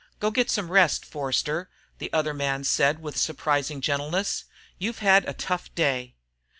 "Go get some rest, Forster," the other man said with surprising gentleness. "You've had a tough day."